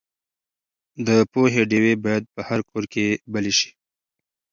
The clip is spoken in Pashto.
د پوهې ډیوې باید په هر کور کې بلې شي.